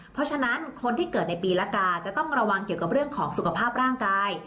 เพราะฉะนั้นคนที่เกิดในปีละกาจะต้องระวังเกี่ยวกับเรื่องของสุขภาพร่างกาย